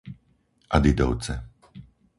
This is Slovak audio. Adidovce